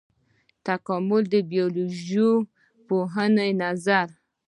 د تکامل د بيولوژي پوهانو نظرونه.